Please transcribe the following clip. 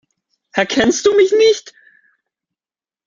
Erkennst du mich nicht?